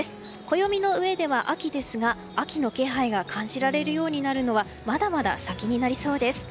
暦のうえでは秋ですが秋の気配が感じられるようになるのはまだまだ先になりそうです。